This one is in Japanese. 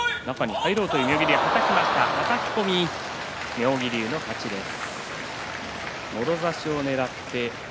妙義龍の勝ちです。